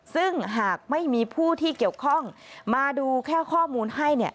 ซึ่งหากไม่มีผู้ที่เกี่ยวข้องมาดูแค่ข้อมูลให้เนี่ย